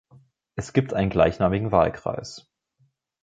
Es gibt einen gleichnamigen Wahlkreis.